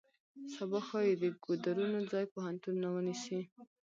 سبا ښایي د ګودرونو ځای پوهنتونونه ونیسي.